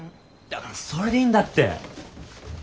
だからそれでいいんだって。